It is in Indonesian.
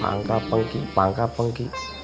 pangka pengki pangka pengki